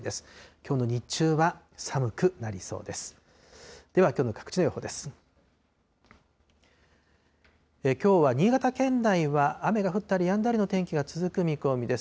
きょうの日中は、寒くなりそうです。